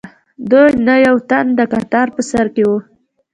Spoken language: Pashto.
له دوی نه یو تن د کتار په سر کې و.